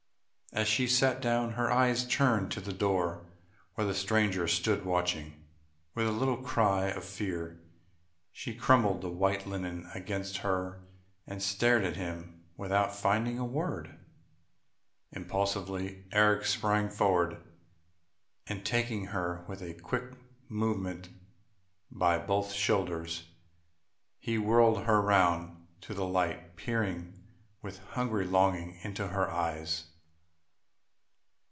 As she sat down her eyes turned to the door where the stranger stood watching. With a little cry of fear she crumpled the white linen against her and stared at him without finding a word. Impulsively Eric sprang forward, and taking her with a quick movement by both shoulders, he whirled her round to the light, peering with a hungry longing into her eyes....